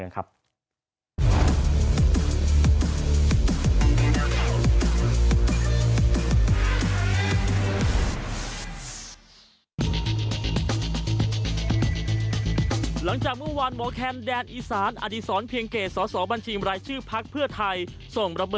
ข้อมูลไม่ตรงครับ